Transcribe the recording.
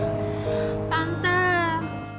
gimana sih caranya ngambil hati si rama